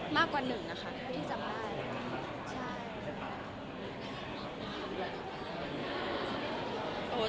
มากกว่า๑นะคะไม่ได้จำได้